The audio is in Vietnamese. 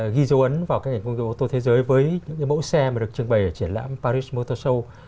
ghi dấu ấn vào các hình ô tô thế giới với những cái mẫu xe mà được trưng bày ở triển lãm paris motor show